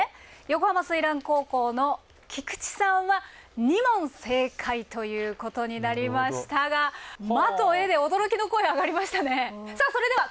横浜翠嵐高校の菊地さんは２問正解ということになりましたが「ま」と「ゑ」で驚きの声上がりましたね。